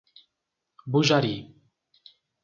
Bujari